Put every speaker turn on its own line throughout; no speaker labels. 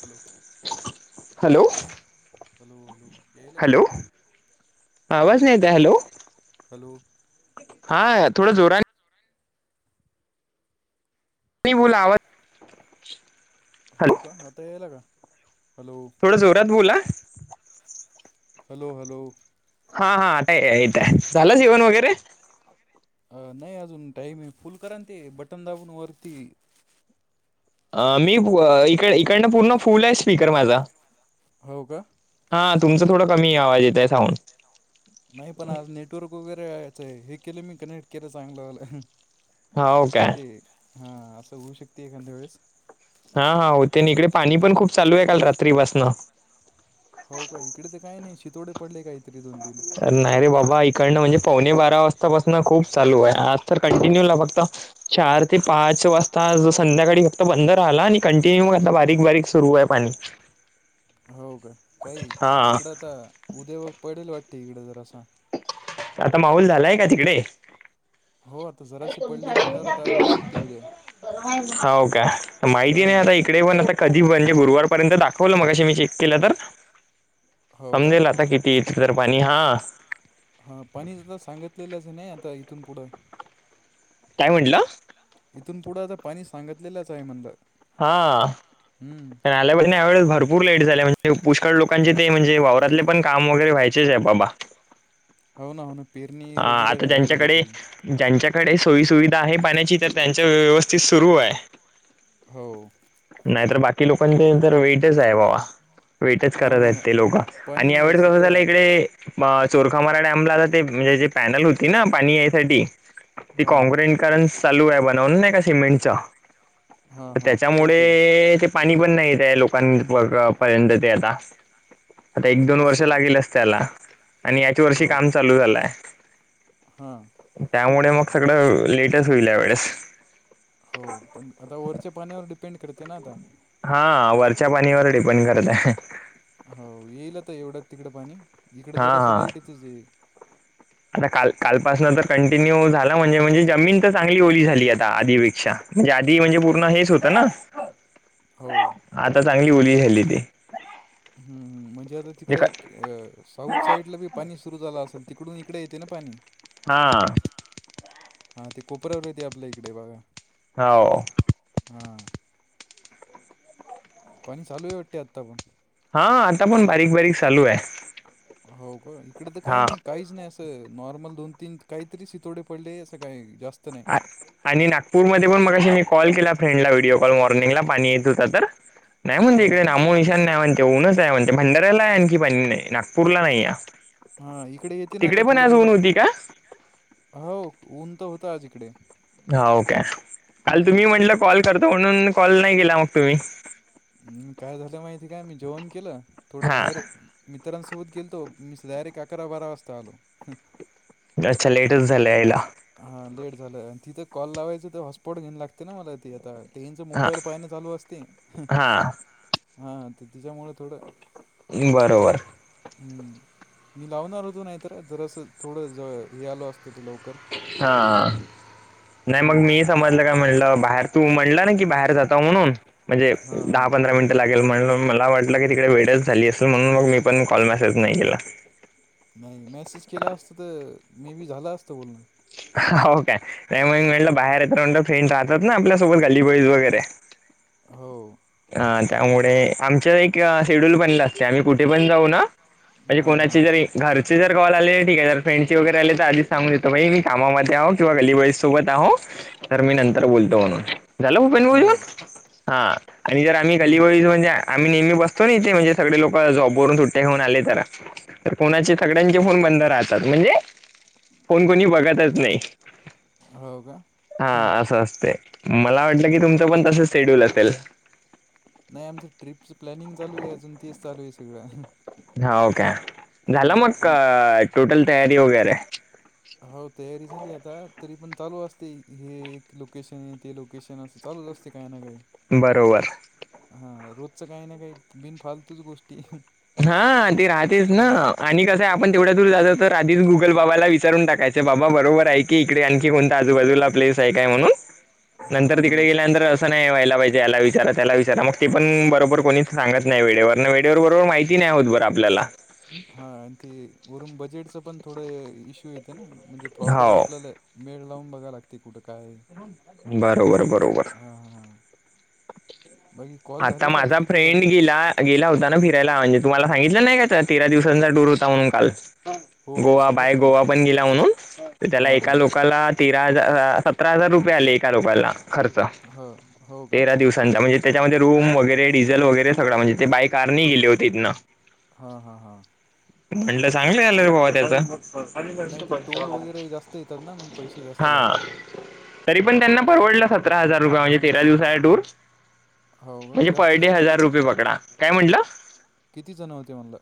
Hello
hello
hello, hello, यायलाय का
hello
आवाच हॅल
आवाज नाही येत आहे हॅलो
हॅलो
हा थोडं जोराने नाही बोलावां
हो का आता यायला का? हॅलो,
थोड जोरात बोला.
हॅलो हॅलो,
हा हा आता येतय झालं जेवन वगैरे?
अ नाही अजून टाईम आहे. फुल करा ना ते बटन दाबून वरती.
अ मी इक इकडनं पूर्ण फुल आहे स्पीकर माझा.
हो का,
हा तुमचा थोडं कमी आवाज येत आहे साऊंड
नाही. पण आज नेटवर्क वगैरे यायचंय हे केले मी कनेक्ट केलं चांगलं वाल.
हो काय
ते हा असं होऊ शकते एखाद्या वेळेस,
हा हा होते ना इकडे पाणी पण खूप चालू आहे काल रात्रीपसन.
हो का इकडे तर काही नाही शितोडे पडले काहीतरी दोन तन
तर नाही रे बाबा इकडनं म्हणजे पावणे बारा वाजतापासून खूप चालू आहे आज तर कंटिन्यू ला फक्त चार ते पाच वाजता संध्याकाळी फक्त बंद राहिला आणि कंटिन्यू आता बारीक बारीक सुरू आहे पाणी [inaudible]
हो का काही
हा
इकडं आता उद्या व पडेल वाटते इकडे जर असा
आता माऊल झालाय का तिकडे
हो जराशी पडली म्हणल्यावर आता होऊ शकते उद्या
हो का माहिती
हां
नाही आता तिकडेन आता कधी म्हणजे गुरुवारपय दाखवलं मगे मी चेक केलं तर
हो का
समजेल आता किती इथ तर पाणी हा
हा पाणी आता सांगितलेलंच नाही आता इथून पुढं
काय म्हटलं
इथून पुढं आता पाणी सांगितलेलंच आहे म्हणलं
हा
हम्म
ल्या यावेळेस भरपूर लेटले म्हणजे पुष्ळ लोकांचे ते म्हणजे वावरातले पण काम वगैरे व्हायचेच आहे बाबा
हो ना हो ना पेरणी वगैरे
आता
राहिलेली
ज्यांच्याकडे
आहेथे
ज्यांच्याकडे सोयी सुुविधा आहे पाण्याची तर त्यांच्या व्यवस्थित सुरू आहे
हो
नाही तरर बाकी लोकांचे तर वेटच आहे बाबा वेटच
हो
करत
ना हो
आहेत
ना
ते लोक आणि
पाणी जे आहे
यावेळेस कसं
सध्या
झालं इकडे म चोरखामार डॅमला आ ते म्हणजे जे पॅनल होती ना पाणी यासाठी ती
हां
कॉँक्रिंट कारण चालू आहे बनवून नाही का सिमेंटच्या
हां हां हो
त्याच्यामुळे
ते
ते पाणी पण नाही आहे लोकां पर्यंत ते आता आता एक दोन वर्ष
असं
लागेल अस त्याला आणि याच्या वर्षी
हो
काम
का
चालू झालंय
हां हं.
त्यामुळे मग सगळं लेटस होईल या वेळेस
हो पण आता ओरच्या पाण्यावर डिपेंड करते ना आता
हा वरच्या पाणीवर डिपेंड करत आहे
हो येईलता एवढ तिकड पाणी इकडं
हा
जरा असं
हा
लाईट येतच
आता काल कालपासनं तर कंटिन्यू झाला म्हणजे म्हणजे जमीन तर चांगली ओली झाली आता आधीपेक्षा म्ह आी म्हणजे पूर् हेच हों ना
हो
आता चांगली ओली झाल्ली त
ह् म्हणजे आता तिकडं साऊथ साईडला बी पाणी सुरु झालं असेल तिकडून इकडे येते ना पाणी
हां
हा ते कोपऱ्यावर येत आपल्या इकडे बाघा
होा
हा पाणी चालू आहे वाटते आत्ता पण
हा आता पण बारीक बारीक चालू आहे
हो का इकडे तर काय
हा
नाही काहीच नाही अस नॉर्मल दोन तीन काहीतरी सितोडे पडले असं काही जास्त नाही
आणि नागपूरमध्येध्ये पण मग मी कॉल केला फ्रेंडला व्हिडिओ कॉल मॉर्निंगला पाणी येत होता तर नाही म्हणते
हो
इकडे
का
नामो निशा नाही म्हणते ऊनच आहे म्हणते भंडार्याला आहे आणखी प नाही नागपूरला नाही या
हा इकडे येते ना आता
तिकडे पण
थोडं
आज ऊन
थोडं
होती का
हो ऊन तर होता आज इकडे
हा ओके काल
हम्म
तुम्ही म्हटलं कॉल करता म्हणून कॉल नाही केला मग तुम्ही
झालं काय झालं माहिती का थोडासा जेवण केलं आणि
हा
थोडं मित्रांसोबत गेलतो डायरेक्ट अकरा बारा वाजता आलो
अच्छा लेटच झालं याला
हा लेट झालंय आणि तिथं कॉल लावायचं तर हॉस्पॉट घेऊन लागते ना मला ती आता तेच
हा
मोबाईल पाहिण चालू असते हा तर त्याच्यामुळे थोडं
बरोबर
हम्म मी लावणार होतो नाहीतर जरं थोडं ज हे आलो असत त लवकर
हा नाही मग
हं.
मी समजलं काय म्हटलं बाहेर तू म्हणला ना की बाहेर जाता म्हणून म्हणजे
हां,
दहा
हां. हो.
पंधरा मिनिट लाग मला वाटलं की तिकडे वेटच झाली असेल म्हणून मग मी पण कॉल मेसेज नाही केेला
नाही मेसेज केला असत तर मे बी झाला असतं बोलणं
हो काय नाही मग
हां.
म्हटलं बाहेर येत म्ह फ्रेंड राहतात ना आपल्यासोबत गलीबोळीज वगैरे
हो
ह त्यामुळे आमच्या एक शेड्यूल पण असते आम्ही कुठे पण जाऊ ना म्हणजे
हां,
कोणाची
हां.
जरी घरचे जर कल आले ठीक आहे ज फ्रेंडची वगैरे आले तर आधी सांग देतो मी काममा म आ किवा गलली वळी सोबत आो तर मी नंतर
हां.
बोलतो म्हणून झालं भूपेंद
हो का?
बहजन हा आणि जर आम्ही
हं.
गलीबळीच म्हणजे आम्ही नेहमी बतो ना इथे म्हणजे सगळे लोक जॉबवरून सुट्टेऊन आले तर कोणाचे सगळ्यांचे फोन बंद राहतात म्हणजे फोन कोणी बघत हरकत नाही
हो का? हं.
असंच असतं मला वाटलं की तुम्ही पण तस शेड्यूल असेल
नाही आमचं ट्रिपचं प्लॅनिंग चालू आहे अजून तेच चालू आहे सगळं
हा ओके झाला
हां
मग
आणि
टोटल तयारी वगैरे
हो तयारी झाली आता तरी पण चालू असते हे एक लोकेशन आहे ते लोकेशन अस चालच असते काय ना काही
बरोबर
हा रोजच काही ना काही बिनफालतूच गोष्टी
हा ती राहतेस ना
हां
आणि कसं आहे आपण तेवढ्या दूर जातो तर आधीच गुगल बाबाला विचारून टाकायचं बाबा बरोबर आहे की इकडे आणखी कोणत आजूबाजूला प्लेस आहे काय म्हणून
हो ना
नंतर
हो
तिकडे
ना
गेल्यानंतर अस नाही व्हाला पाहिजे याला विचारा त्याला विचारा मग ते पण बरोबर कोणीच सांगत नाही वेळेवर वेळेवर बरोबर माहिती कती नाही आहोत बरं आपल्याला
हा आणि ते वरून बजेटचं पण थोडं इश्यू येते ना म्हणजे प्रॉपर
हो
आपल्याला मेळ लावून बघा लागते कुठं काय
बरोबर बरोबर
हां हां हां बाकी कॉल
आता
झाले का आज
माझा
किती झाले
फ्रेंड गेला गेला होता ना फिरायला म्हणजे तुम्हाला सांगितलं नाही का तेरा दिवसांचा टूर होता म्हणून काल
हो हो
गोवा बाय
सांगितलं ना
गोवा पण गेला म्हणून तर त्याला
हां
एका
हां
लोकाला तेरा हजार सतरा हजार रुपये आले एका लोकाला खर्च
ह
तेरा दिवसांचा म्हणजे त्याच्यामध्ये रूम वगैरे डिझेल वगैरे सगळा म्हणजे ते बाय कार नाही गेले होतेत ना
हा हां हां
म्हटलं चांगले आलं रे बाबा त्याचं
नाही ते टोल वगैरे जास्त येतात ना मग पैसे जास्त
हा
लागतात
तरी पण त्यांना परवडलं सतरा हजार रुपये म्हणजे तेरा दिवसाचा टूर
हो का
म्हणजे पर
जास्त
डे
जण होते
हजार
का
रुपये पकडा काय म्हंटलं
किती जणं होते मला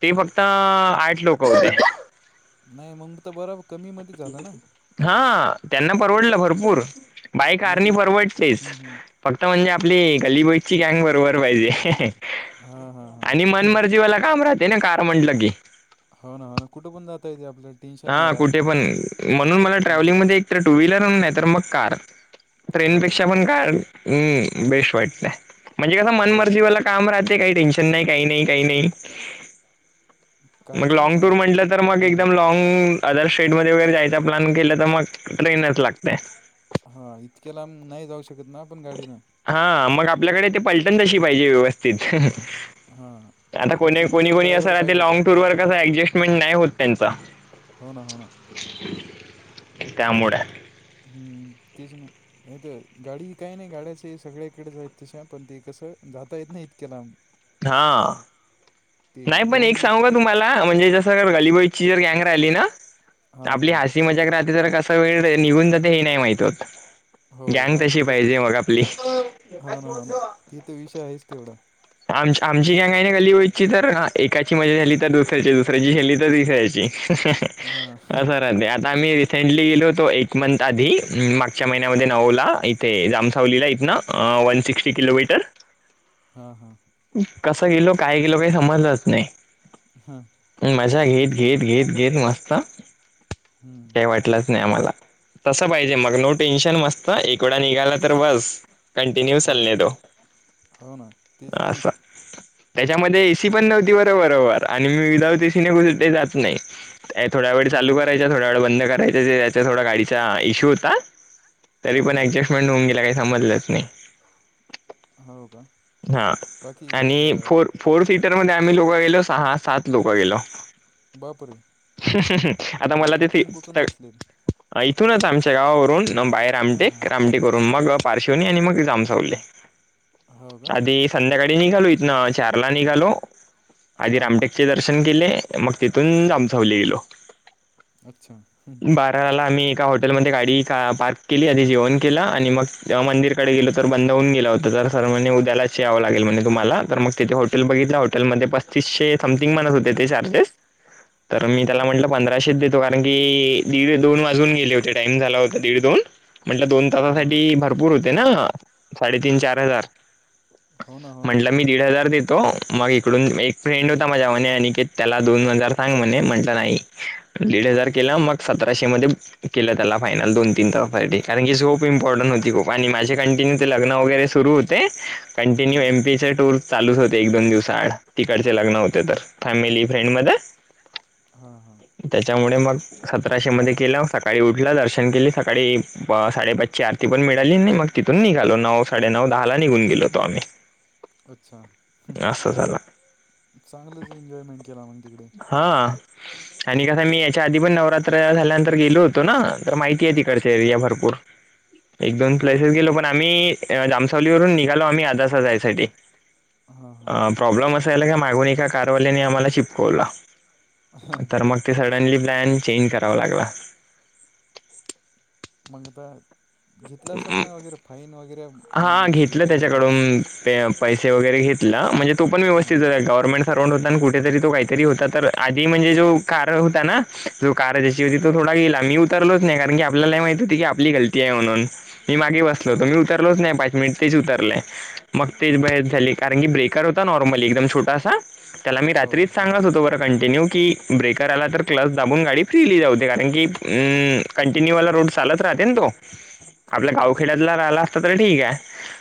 ते फक्त आठ लोक होते
नाही मग तर बर कमी मध्ये झालं ना
हा त्यांना परवडलं भरपूर बाय कारणी
म्हणजे
परवडतेच
हम्म हम्म
फक्त म्हणजे आपली गलीिबोईची गँग बरोबर पाहिजे
हा हा
आणि
हा
मनमर्जीवाला काम राहते ना कार म्हटलं की
हो ना हो ना कुठे पण जाता येते आपल्या
हा कुठे पण म्हणून मला
हम्म
ट्रॅव्हलिंग मध्ये एक तर टू व्हीलर नाही तर मग कार
हो
ट्रेनपेक्षा पण काय् बेस्ट वाईट नाही म्हणजे कस
हो
मनमर्जीवाला काम राहते काही टेन्शन नाही काही नाही काही नाही मग
कारणी
लॉंग टूर
अ,
म्हटलं तर मग
हां
एकदम लँंग अदर स्टेट म वगैरे जायचा प्लन केलं तर मग ट्रेनच लागते
हा इतक्या लांब नाही जाऊ शकत ना आपण गाडीन
हा मग आपल्याकडे ते पलटण तशी पाहिजे व्यवस्थित
हां
आता
मग
कोणी
तीन
कोणी
चार
कोणी असं
ड्रायव्हर
राह ते
पाहिजे तर
लँंग टूर वर कस ऍडजस्टमेंट नाही होत त्यांचा
हो ना हो ना
त्यामुळे
हम्म तेच ना नाही तर गाडी काही नाही गाड्याचे सगळ्या इकडेच आहेत तश पण ते कसं जाता येत नाही इतक्याला
हा नाही पण एक
दोन
सांग का तुम्हाला म्हणजे जसं गलबाईची जर गँंग राहिली ना
हां
आपली
हां
हास्य मजाक राहते तर कसा वेळ निघून जाते हे नाही माहित
हो
गैगन तशी
वाहतच जाते
पाहिजे मग आपली
हो ना हो ना ते तर विषय आहेच तेवढा
आम आमची का काा नाही गली होई तर एकाची मजा झाली तर दुसऱ्या दुसऱ्याची झेली तर तिसऱ्याची
हां
अस ते आता आम्ही रिसेंटली गेलो होतो एक मंथ आधी मागच्या महिन्यामध्ये नवला इथे जामसावलीला इथ नां वन सिक्स्टी किलोमीटर
हा हा
कसं गेलो काय गेलो काही समजलंच नाही
हा
मझा घेत घेत घेत घेत मस्त
हम्म.
काही वाटलंच नाही आमला तस पाहिजे मग नो टेन्शन मस्त ह एकवडा निघाला तर बस कंटिन्यू
हो
चालणे तो
हो ना तेच
अससाा त्याच्यामध्ये एसी पण नव्हती बरोबरोबर आणि मी विदाऊट एसी न कुठे जात नाही थोड्या वेळ
हो
चालू
का
करायच्या थोड्या वेळ बंद करायच्या त्याचा थोडा गाडीचा इश्यू होता तरी
हां
पण
हां
ऍडजस्टमेंट होऊन गेला काही समजलंच नाही
हो का
हा
बाकी
आणि
अ,
फोर फोर सीटरमध्येध्ये आम्ही लोक गेलो सहा सात लोक गेलो
बापरे
आता मला तेथे
कोचून कोचून बसलेत
इथूनच आमच्या गावावरून बाहे
हां
रामटेक
हां
रामटेकरून मग पार्शवनी आणि मग जाम सवले
हो का
आधी संध्याकाळी निघालो इथन चारला निघालो आधी
हां हां
रामटेकचे जर दर्शन केले मग तेिथून आमचावले गेलो
अच्छा ह
बाराला आम्ही एका हॉटेलमध्येध्ये गाडी पार्क केली आध जेवण केला आणि मग मंदिर गेलो तर बंद होऊन गेला होता तर सर्वांनी त्यालाच यावं लागेल म्हणे तुम्हाला तर मग तिथे हॉटेल बघितलं होटेलमध्ये पस्तीसशे समथिंग म्हणत होते ते चार्जेस तर
हो
मी
का
त्याला म्हटलं पंधराशे देतो कारण की दीड दोन वाजून गेले होते टाइम झाला होता दीड दोन म्हटलदोन
हां
भरपूर होते ना साडेतीन चार हजार
हो ना हो ना
म्हणलं दीड हजार देतो मग इकडून एक फ्रेंड होता माझ्या मागे अनिकेत त्याला दोन हजार सांग म्हणे म्हंटलं नाही दीड हजार केला मग सतराशे मध्ये लं त्या फायनल दोन तीन तासाठी कारण झोप इंपॉर्टन्ट होती खूप माझें कंटेन्यू ते लग्न वगैरे सुरू होते कंटिन्यू
हम्म.
एमपीचे टूर चालूच होते एक दोन दिवस आड तिकडचे लग्न होते तर फॅमिली फ्रेंड मध्ये
हा हा
त्याच्यामुळे मग सतराशे मध्ये केलं सकाळी उठला दर्शन केली सकाळी साडेपाचची आरती पण मिळाली नाही मग तिथून निघालो नऊ साडेनऊ दहा ला निघून गेलोतो आम्ही
अच्छा
असं झालं
चांगलंच एन्जॉयमेंट केला मग तिकडे
हा आणि कसा मी याच्या आधी पण नवरात्र झाल्यानंतर गेलो होतो ना तर माहिती आहे तिकडचे एरिया भरपूर एक दोन
हो
प्लेसेस
का
गेलो पण आम्ही जामसावलीवरून निघालो आम्ही आदासा जायसाठी
हां हां
अ, प्रॉब्लेम असायला का मागून का कारवाल्यानी आम्हाला शिपकवला तर मग ते सडनली प्लॅन चेंज करावा लागला
मग आता घेतलं असेल ना वगैरे फाईन वगैरे
हा
म्हणजे जे
घेतलं
काही झालं असेल
त्याच्याकडून पैसे वगैरे घेतला म्हणजे तो पण व्यवस्थित
हां
गव्हर्नमेंट हो कुठ तो काहीतरी होता आधी म्हणजे जो कार होता ना कार ज्याशी होती तो थोडा गेला मी उतरलोच नाही कारण की आपल्याला माहित होती की आपली गलती आहे म्हणून मी मागे बसलो तो
हो,
मी उतरलोच नाही पाच मिनिट तेच उतरलंय मग तेच बहेच झाले कारण की ब्रेकर होता नॉर्मली एकदम छोटासा त्याला मी
हो,
रात्रीच
हां,
सांगत होतो बरं कंटिन्यू की ब्रेकर आला तर क्लस दाबून गाडी फ्रीली जाऊ दे कारण की अम् कंटिन्यूवाला रोड चालत राहते ना तो आपल्या
हो,
गावखेड्यातला राहिला तर ठीक आहे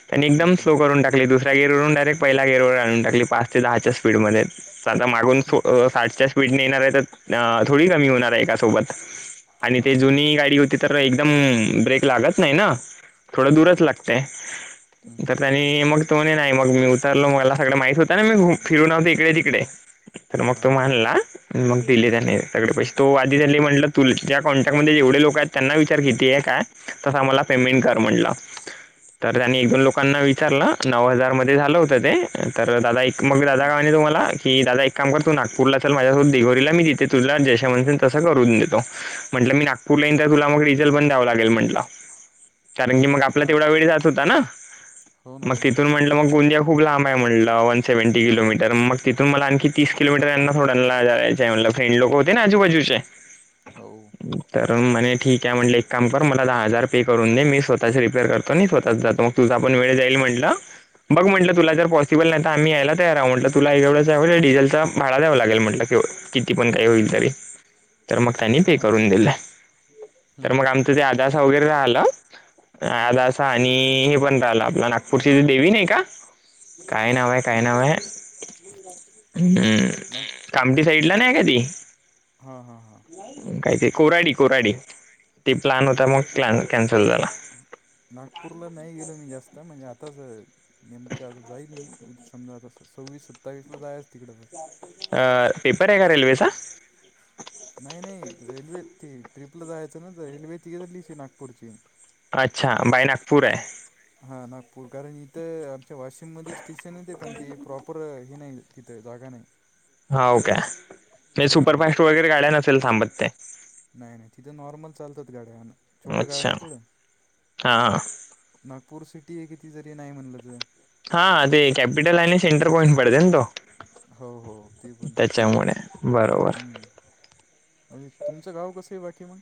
त्यांनी
हं,
एकदम
हं,
स्लो करून टकली दुसऱ्या गरवरून डायरेक्ट पहिला गेरवर आणून टाकली पाच ते दहाच्या स्पीडमध्येध्ये आता मागून साठच्या स्पीडने येणार आहे तर थोडी कमी होणार आहे एका सोबत आणि
हो
ते
ना,
जुनी गाडी होती तर एकदम ब्रेक लागत नाही ना थोडं
हो,
दूरच लागते
हं,
तर
हं,
त्यांनी मग तो नाही मग मी उतारलो मला सगळ माहित होत ना मी फिरू नव्हते इकडे तिकडे तर मग तू
हां,
मानला मग दिले त्या नाही सगळे पैसे तो वादी झाले म्हटलं तु ज्या कॉन्टॅक्टमध्येध्ये जेवढे लोक आहेत त्यांना विचार किती आहे काय तस आम्हाला पेमेंट कर म्हटला तर त्यांनी एक दोन लोकांना विचारलं नऊ हजार मध्ये झालं होतं ते तर दादा एक मग दादा
हं,
गावाने तुम्हाला की दादा एक काम कर तू नागपूरला चल माझ्यासोबत दिघोरीला मी देते तुला जश तसं करून देतो म्हटलं मी नागपूर तुला मग डिजेल पण द्याव लागेल म्हटल कारण की मग आपला
हां,
तेवढा वेळ जात होता ना
हो ना,
मग
हो ना,
तिथून म्हटलं मग गोंदिया खूप लांब आहे म्हटलं वन सेव्हन्टी किलोमीटर मग तिथून मला आणखी तीस किलोमीटर यांना थोड्यांना जायच म्हटलं फ्रेंड लोक होते ना आजूबाजूचे
हो,
तर मणे ठीक आहे म्हटले एक काम कर मला दहा हजार पे करून दे मी स्वतःची रि रतो स्वतः जातो मग तुझाणेळ जाईल म्हटलं बघ म्हटलं तुला जरॉसिबल नाही तरम्ही यायला तयारह म्हटलं तुला एवढंचवं डझलं भाड द्यां लागेल म्हटलं केव किती पण काही होईल तरी तर मग त्यांनी
हो
पे
ना,
करून दिलं
हं,
तर
हं,
मग आमचं ते आदासा वगैरे राहिलं
हं,
दा अस आणि हे पण राहिलं आपलं नागपूरची त देवी नाही का काय नाव आहे काय
नाग
नाव आहे हम्म
नाग
कामट साईडला नाही काधी
हा हा हा
काय का कोराडी कोराडी ते प्लन
नाही
होता
ते
मग क् कॅन्सल झाला
नागपूरला नाही गेलो मी जास्त म्हणजे आताच नेमकं जाईल मी समजा त सव्वीस सत्तावीस ला जायच तिकडं बस
अ पेपर आहे का रेल्वेचा
नाही नाही रेल्वे ती ट्रिपला जायचं ना तर रेल्वे तिघे लिशी नागपूरची
अच्छा बाई नागपूर आहे
हा नागपूर कारण इथं आमच्या वाशिम मध स्टेशन येत पण ते प्रॉपर हे नाही तिथं जागा नाही
हा का नाही
हां
सुपरफास्ट वगैरे गाड्या नसेल ांबत ते
नाही नाही तिथं नॉर्मल चालतात गा्या ोटं गावं आहे ना थोडं
हा
नागपूर सिटी आहे किती जरी नाही म्हणलं तर
हा ते केॅपिटल आणि सेंटर पॉइंट पडेते त
हो हो ते पण हम्
बरोबर
म्हणजे तुमचं गाव कसं आहे बाकी मग